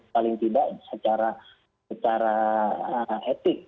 paling tidak secara etik